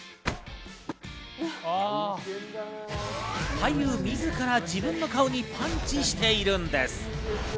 俳優、自ら自分の顔にパンチしているんです。